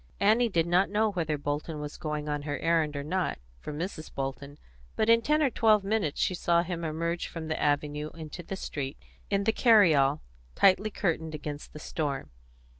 Annie did not know whether Bolton was going on her errand or not, from Mrs. Bolton, but in ten or twelve minutes she saw him emerge from the avenue into the street, in the carry all, tightly curtained against the storm.